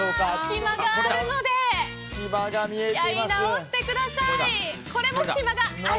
隙間があるのでやり直してください。